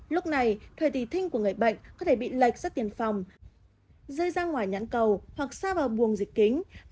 lúc này thủy tinh của người bệnh có thể bị lệch sắc tiền phòng rơi ra ngoài nhãn cầu hoặc xa vào buồng dịch kính